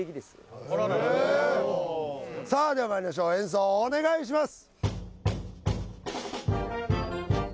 さあではまいりましょう演奏をお願いします